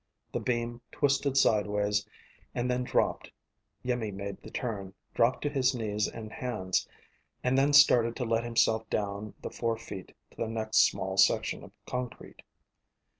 The beam twisted sideways, and then dropped. Iimmi made the turn, dropped to his knees and hands, and then started to let himself down the four feet to the next small section of concrete.